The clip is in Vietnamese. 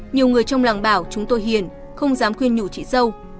nhiều người trong làng bảo chúng tôi hiền không dám khuyên nhủ chị dâu